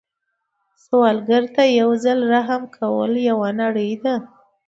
سوالګر ته یو ځل رحم کول یوه نړۍ ده